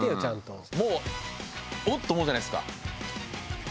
もうおっ！と思うじゃないですか。